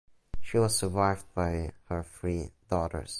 She was survived by her Three daughters.